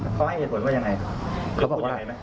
พ่อให้เห็นผลว่ายังไง